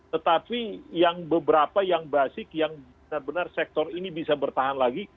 tetapi yang beberapa yang basic yang benar benar sektor ini bisa bertahan lagi